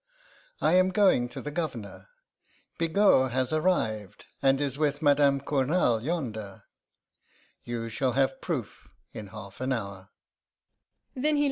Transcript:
I am going to the Governor. Bigot has arrived, and is with Madame Cournal yonder. You shall have proof in half an hour.